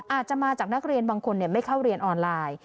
อาจจะมาจากนักเรียนบางคนไม่เข้าเรียนออนไลน์